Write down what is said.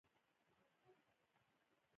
ایا زه د ویښتو جیل کارولی شم؟